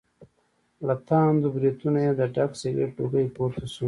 له تاندو برېتونو یې د ډک سګرټ لوګی پور ته شو.